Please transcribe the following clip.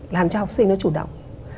làm cho học sinh nó chủ động